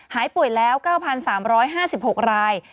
หายป่วยแล้ว๙๓๕๖ราย